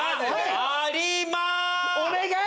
お願い！